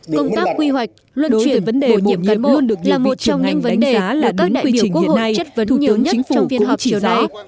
công tác quy hoạch luận chuyển vấn đề bổ nhiệm cán bộ là một trong những vấn đề là đúng quy trình hiện nay thủ tướng nhất trong phiên họp chiều nay